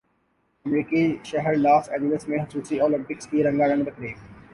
امریکی شہر Los Angeles میں خصوصی اولمپکس کی رنگا رنگ تقریب